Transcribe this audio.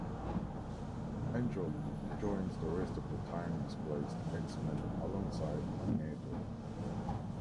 Angel joins the rest of the time-displaced X-Men alongside Magneto.